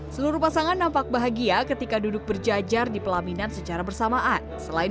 seluruh pasangan nampak bahagia ketika duduk berjajar di pelaminan secara bersamaan selain